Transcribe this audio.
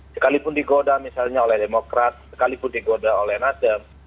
sekalipun digoda misalnya oleh demokrat sekalipun digoda oleh nasdem